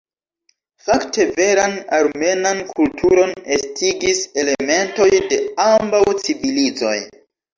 Fakte veran armenan kulturon estigis elementoj de ambaŭ civilizoj.